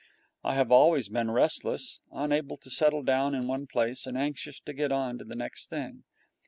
I have always been restless, unable to settle down in one place and anxious to get on to the next thing.